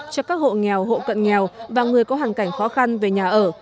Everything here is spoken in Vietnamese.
cho các hộ nghèo hộ cận nghèo và người có hoàn cảnh khó khăn về nhà ở